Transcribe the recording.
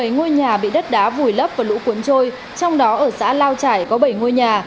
bảy ngôi nhà bị đất đá vùi lấp và lũ cuốn trôi trong đó ở xã lao trải có bảy ngôi nhà